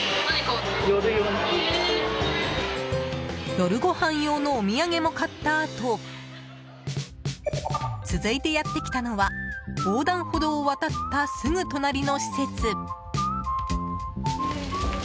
夜ごはん用のお土産も買ったあと続いてやってきたのは横断歩道を渡ったすぐ隣の施設。